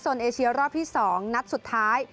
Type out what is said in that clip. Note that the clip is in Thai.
ส่วนเอเชียรอบที่๒นัดสุดท้าย